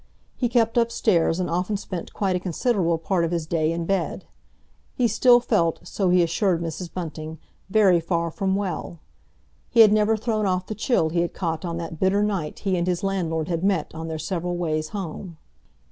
He kept upstairs, and often spent quite a considerable part of his day in bed. He still felt, so he assured Mrs. Bunting, very far from well. He had never thrown off the chill he had caught on that bitter night he and his landlord had met on their several ways home.